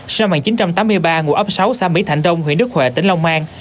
sau màn chín trăm tám mươi ba ngụ ấp sáu xã mỹ thạnh đông huyện đức huệ tỉnh long an